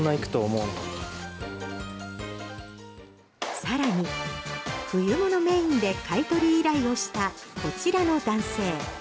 更に冬物メインで買い取り依頼をしたこちらの男性。